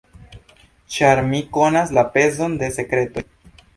Ĉar mi konas la pezon de sekretoj.